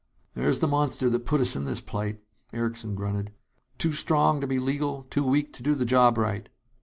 "There's the monster that put us in this plight," Erickson grunted. "Too strong to be legal, too weak to do the job right.